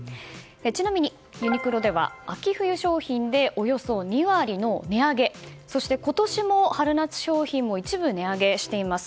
ちなみにユニクロでは秋冬商品でおよそ２割の値上げそして、今年も春夏商品を一部値上げしています。